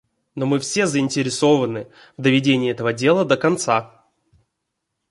Но мы все заинтересованы в доведении этого дела до конца.